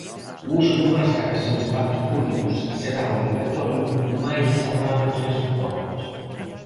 O uso de máscaras en espazos públicos será obrigatorio, máis alá do transporte.